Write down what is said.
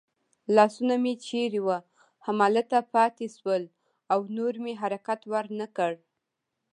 لاسونه مې چېرې وو همالته پاتې شول او نور مې حرکت ور نه کړ.